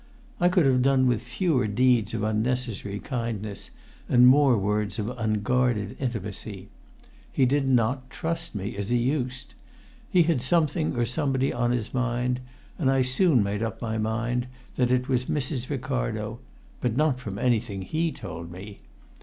I could have done with fewer deeds of unnecessary kindness and more words of unguarded intimacy. He did not trust me as he used. He had something or somebody on his mind; and I soon made up mine that it was Mrs. Ricardo, but not from anything else he told me.